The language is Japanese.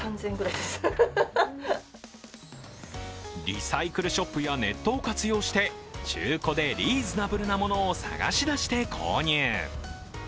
リサイクルショップやネットを活用して中古でリーズナブルなものを探しだして購入。